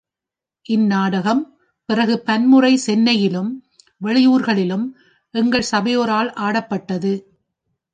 இந் நாடகம் பிறகு பன்முறை சென்னையிலும், வெளியூர்களிலும் எங்கள் சபையோரால் ஆடப்பட்டது.